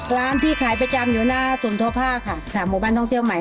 ร้านที่ขายประจำอยู่หน้าศูนย์ทั่วภาคค่ะ๓หมู่บ้านท่องเที่ยวใหม่